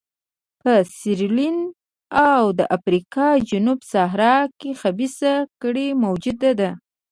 په سیریلیون او د افریقا جنوب صحرا کې خبیثه کړۍ موجوده ده.